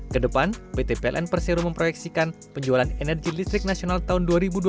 kedepan pt pln persero memproyeksikan penjualan energi listrik nasional tahun dua ribu dua puluh tiga